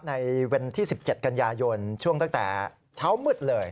ในเวนที่สิบเก็ตกัญญาโยนช่วงตั้งแต่เช้ามืดเลย